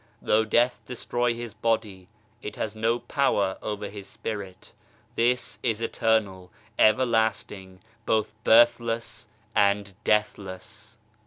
Though death destroy his body, it has no power over his Spirit this is eternal, everlasting, both birthless and deathless.